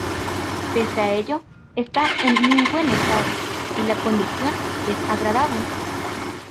Pese a ello, está en muy buen estado y la conducción es agradable.